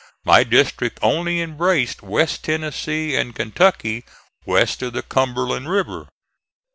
My district only embraced West Tennessee and Kentucky west of the Cumberland River.